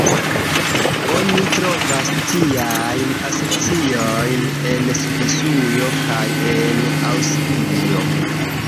Oni trovas tiajn asociojn en Svisujo kaj en Aŭstrio.